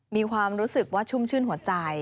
มีความรู้สึกว่าชุ่มชื่นหัวใจ